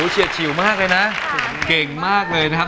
เฉียดเฉียวมากเลยนะ